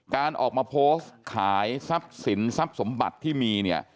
การออกมาโพสต์ขายทรัพย์สินทรัพย์สมบัติที่มีเนี่ย